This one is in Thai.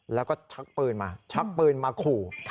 แล้วก็ชักปืนมาชักปืนมาขู่